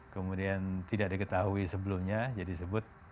kemudian tidak ada ketahui sebelumnya jadi disebut